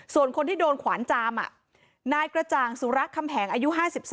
ส่วนคนที่โดนขวานจามนายกระจ่างสุระคำแหงอายุ๕๒